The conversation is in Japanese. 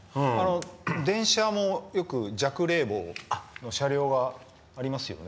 電車もよく弱冷房の車両がありますよね。